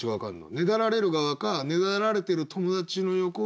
ねだられる側かねだられてる友達の横を。